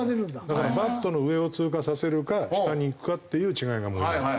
だからバットの上を通過させるか下にいくかっていう違いが。